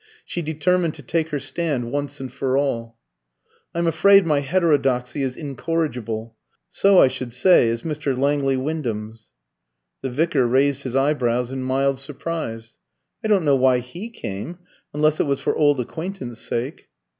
She determined to take her stand once and for all. "I'm afraid my heterodoxy is incorrigible. So I should say is Mr. Langley Wyndham's." The vicar raised his eyebrows in mild surprise. "I don't know why he came unless it was for old acquaintance' sake."